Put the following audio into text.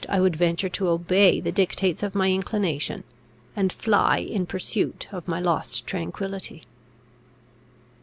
I would venture to obey the dictates of my inclination, and fly in pursuit of my lost tranquillity.